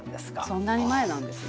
そんなに前なんですね。